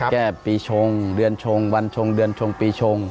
แก้ปีชงเดือนชงวันชงเดือนชงปีชง